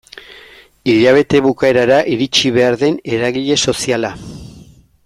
Hilabete bukaerara iritsi behar den eragile soziala.